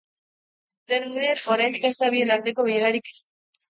Dena den, oraindik ez da bien arteko bilerarik izan.